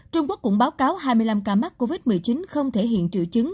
trung quốc cũng báo cáo hai mươi năm ca mắc covid một mươi chín không thể hiện triệu chứng